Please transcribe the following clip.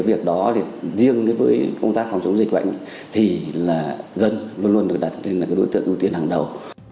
việc đó riêng với công tác phòng chống dịch vậy thì dân luôn luôn được đặt như đối tượng ưu tiên hàng đầu